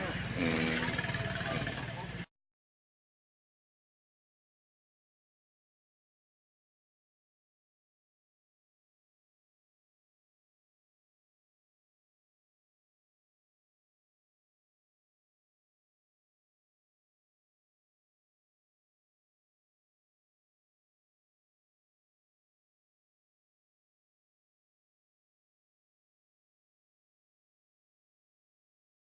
โปรดติดตามตอนต่อไป